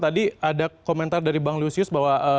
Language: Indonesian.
tadi ada komentar dari bang lusius bahwa